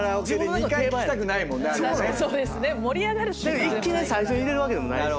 いきなり最初に入れるわけでもないし。